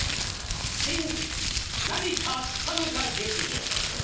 新何かあったのか劇場。